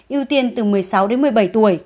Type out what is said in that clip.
ưu tiên từ một mươi sáu đến một mươi bảy tuổi